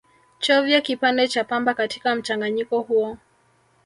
chovya kipande cha pamba katika mchanganyiko huo